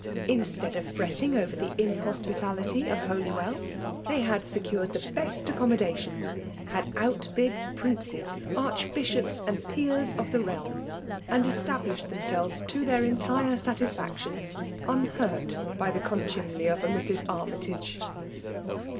Instead of Vretting over the inhospitaUty of UolywelL they had secured the best accommodations^— r had Qutbid princes, archbishops,^ and peers of the .'realm, — and established themselves, ta their entire satisfaction, unhurt by the con tumely of a Mrs. Armytage.